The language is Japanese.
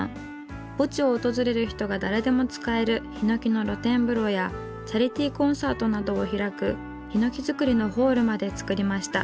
墓地を訪れる人が誰でも使えるひのきの露天風呂やチャリティコンサートなどを開くひのき造りのホールまで造りました。